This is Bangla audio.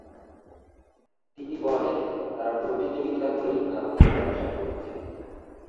তিনি বলেন, তাঁরা প্রতিযোগিতা করেই ভারতে ব্যবসা করছেন।